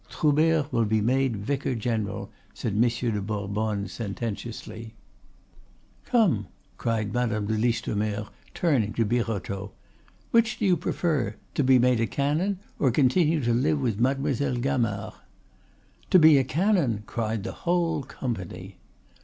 "Troubert will be made vicar general," said Monsieur de Bourbonne, sententiously. "Come!" cried Madame de Listomere, turning to Birotteau, "which do you prefer, to be made a canon, or continue to live with Mademoiselle Gamard?" "To be a canon!" cried the whole company.